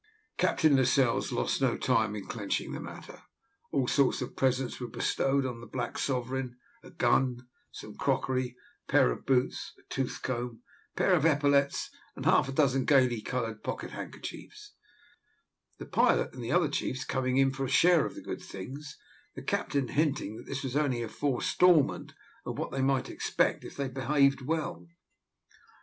Captain Lascelles lost no time in clenching the matter. All sorts of presents were bestowed on the black sovereign; a gun, some crockery, a pair of boots, a tooth comb, a pair of epaulets, and half a dozen gaily coloured pocket handkerchiefs, the pilot and the other chiefs coming in for a share of the good things, the captain hinting that this was only a forestalment of what they might expect if they behaved well.